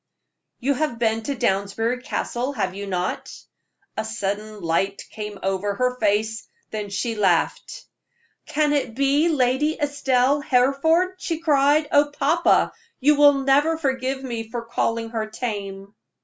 "You have been to Downsbury Castle, have you not?" A sudden light came over her face, then she laughed. "Can it be Lady Estelle Hereford?" she cried. "Oh, papa, you will never forgive me for calling her tame."